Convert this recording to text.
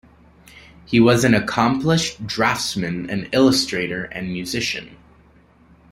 He was an accomplished draftsman and illustrator and musician.